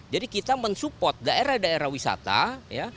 jadi kita mensupport daerah daerah wisata